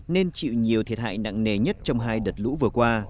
nên chịu nhiều thiệt hại nặng nề nhất trong hai đợt lũ vừa qua